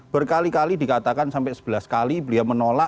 berkali kali dikatakan sampai sebelas kali beliau menolak